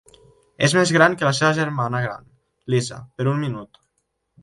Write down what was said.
És més gran que la seva germana gran, Lisa, per un minut.